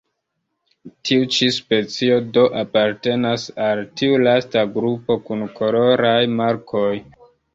Tiu ĉi specio, do, apartenas al tiu lasta grupo kun koloraj markoj.